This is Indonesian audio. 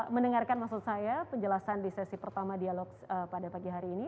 mendengarkan maksud saya penjelasan di sesi pertama dialog pada pagi hari ini